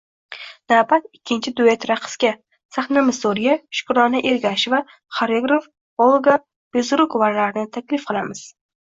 Navbat ikkinchi duyet raqsga. Sahnamiz to‘riga Shukrona Ergasheva - xoreograf Olga Bezrukovalarni taklif qilamiz.